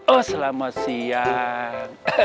oh selamat siang